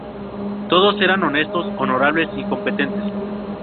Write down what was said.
Todos eran honestos honorables y competentes.